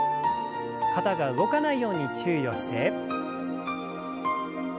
肩が動かないように注意をして。